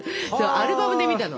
アルバムで見たの。